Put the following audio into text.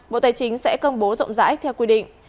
bộ tài chính sẽ công bố rộng rãi theo quy định